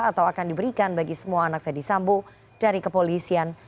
atau akan diberikan bagi semua anak ferdisambo dari kepolisian